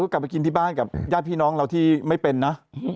กลับไปกินที่บ้านกับญาติพี่น้องเราที่ไม่เป็นนะ